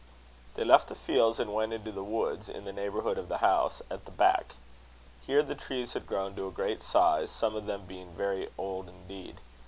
They left the fields, and went into the woods in the neighbourhood of the house, at the back. Here the trees had grown to a great size, some of them being very old indeed.